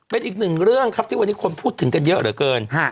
เป็นอีกหนึ่งเรื่องครับที่วันนี้คนพูดถึงกันเยอะเหลือเกิน